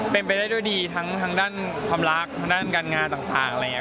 เป็นไปได้ด้วยดีทั้งด้านความรักทางด้านการงานต่างอะไรอย่างนี้